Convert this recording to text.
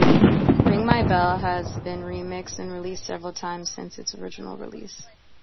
"Ring My Bell" has been remixed and released several times since its original release.